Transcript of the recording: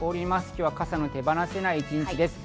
今日は傘が手放せない一日です。